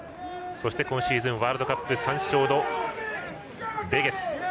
そして今シーズンワールドカップ３勝のレゲツ。